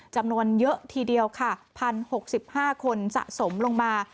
จำนวนเยอะทีเดียวค่ะ๑๐๖๕คนสะสมลงมา